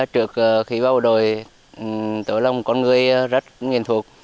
trước khi vào đội tôi là một con người rất nghiên thuộc